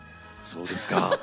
そうですか。